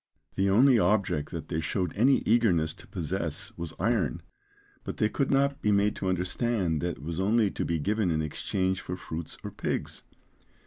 The only object that they showed any eagerness to possess was iron, but they could not be made to understand that it was only to be given in exchange for fruits or pigs.